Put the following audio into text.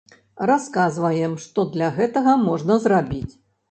Расказваем, што для гэтага можна зрабіць.